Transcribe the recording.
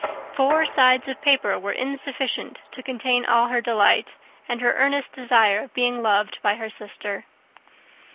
Four sides of paper were insufficient to contain all her delight, and all her earnest desire of being loved by her sister.